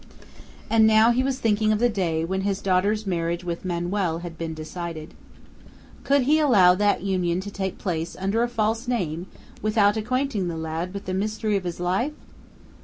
And now he was thinking of the day when his daughter's marriage with Manoel had been decided. Could he allow that union to take place under a false name without acquainting the lad with the mystery of his life?